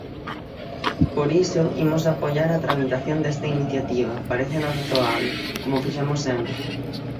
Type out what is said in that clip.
Por iso, imos apoiar a tramitación desta iniciativa, parécenos razoable, como fixemos sempre.